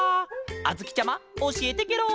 あづきちゃまおしえてケロ！